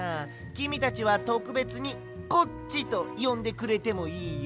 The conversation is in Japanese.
きみたちはとくべつに「コッチ」とよんでくれてもいいよ。